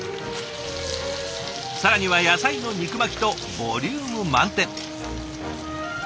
更には野菜の肉巻きとボリューム満点。